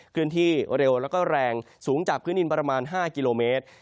เคลื่อนที่เร็วแล้วก็แรงสูงจากพื้นดินประมาณ๕กิโลเมตร